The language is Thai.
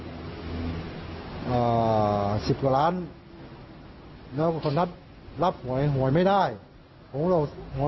อร์สิบกว่าล้านเดี๋ยวคนุับห่วยห่วยไม่ได้ของเราห่วย